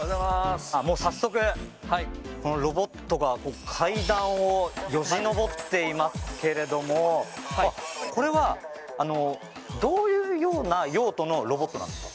早速ロボットが階段をよじ登っていますけれどもこれはどういうような用途のロボットなんですか？